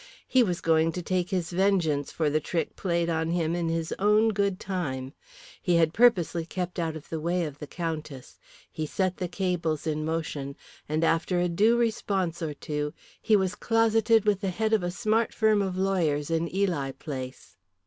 He was going to take his vengeance for the trick played on him in his own good time. He had purposely kept out of the way of the Countess. He set the cables in motion, and after a due response or two he was closeted with the head of a smart firm of lawyers in Ely Place.